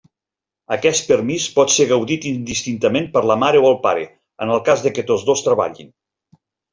Aquest permís pot ser gaudit indistintament per la mare o el pare, en el cas que tots dos treballin.